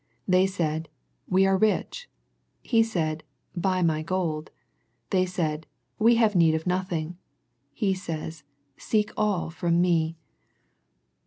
They said "We are rich." He said "Buy My gold." They said " We have need of nothing." He said Seek all from Me.